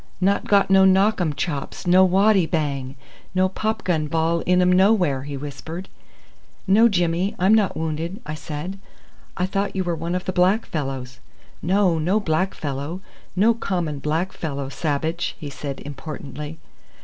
"Not got no knock um chops, no waddy bang, no popgun ball in um nowhere," he whispered. "No Jimmy, I'm not wounded," I said. "I thought you were one of the black fellows." "No, no black fellow no common black fellow sabbage," he said importantly.